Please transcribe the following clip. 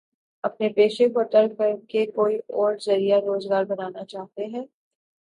اپنے پیشے کو ترک کر کے کوئی اور ذریعہ روزگار بنانا چاہتے ہیں؟